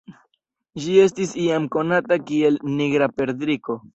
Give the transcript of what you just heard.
Ĝi estis iam konata kiel "Nigra perdriko".